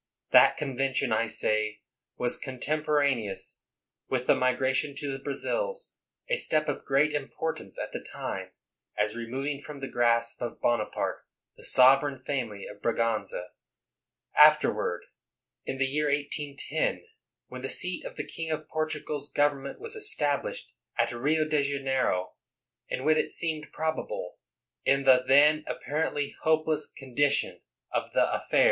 That convention, I say, was contemporaneous with the migration to the Bra zils — a step of great importance at the time, as removing from the grasp of Bonaparte the sov ereign family of Braganza. Afterward, in the year 1810, when the seat of the king of Portu gal's government was established at Rio de Janeiro, and when it seemed probable, in the then apparently hopeless condition of the affairs 1 The CoDTention of Cintra, August 30, 1808.